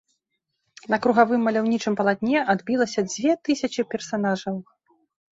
На кругавым маляўнічым палатне адбілася дзве тысячы персанажаў.